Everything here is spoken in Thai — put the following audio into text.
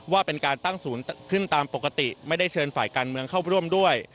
ว่าเป็นการตั้งศูนย์ขึ้นตามปกติไม่ได้เชิญฝ่ายการเมืองเข้าร่วมด้วย